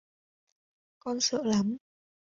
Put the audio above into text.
Con sợ lắm